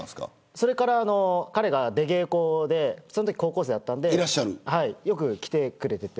それから彼が出稽古でそのとき彼は高校生だったのでよく来てくれていて。